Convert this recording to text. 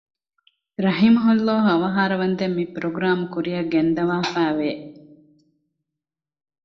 ރަޙިމަހު ﷲ އަވަހާރަވަންދެން މި ޕްރޮގްރާމް ކުރިއަށް ގެންދަވާފައި ވެ